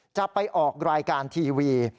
จะไปออกรายการทีวี